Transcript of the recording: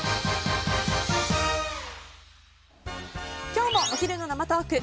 今日もお昼の生トーク。